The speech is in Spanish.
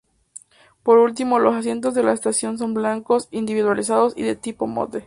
Por último, los asientos de la estación son blancos, individualizados y de tipo "Motte".